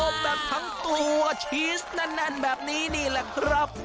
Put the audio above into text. แบบทั้งตัวชีสแน่นแบบนี้นี่แหละครับ